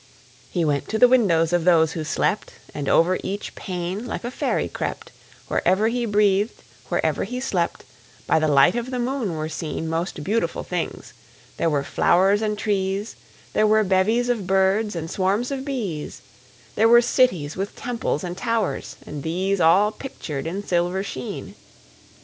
He went to the windows of those who slept, And over each pane, like a fairy, crept; Wherever he breathed, wherever he slept, By the light of the moon were seen Most beautiful things there were flowers and trees; There were bevies of birds and swarms of bees; There were cities with temples and towers, and these All pictured in silver sheen!